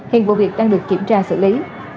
hiện vụ việc đang được kiểm tra xử lý